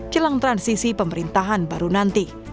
jelang transisi pemerintahan baru nanti